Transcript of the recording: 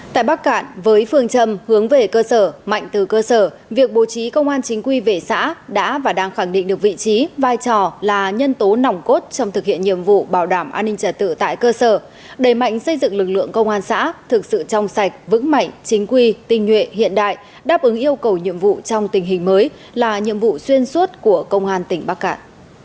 tại bắc cạn với phương châm hướng về cơ sở mạnh từ cơ sở việc bố trí công an chính quy về xã đã và đang khẳng định được vị trí vai trò là nhân tố nòng cốt trong thực hiện nhiệm vụ bảo đảm an ninh trả tự tại cơ sở đầy mạnh xây dựng lực lượng công an xã thực sự trong sạch vững mạnh chính quy tinh nguyện hiện đại đáp ứng yêu cầu nhiệm vụ trong tình hình mới là nhiệm vụ xuyên suốt của công an tỉnh bắc cạn